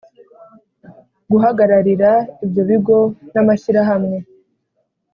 Guhagararira ibyo bigo n’amashyirahamwe